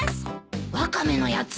ワカメのやつ